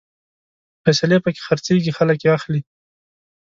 فیصلې پکې خرڅېږي، خلک يې اخلي